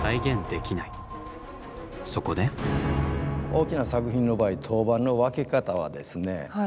大きな作品の場合陶板の分け方はですね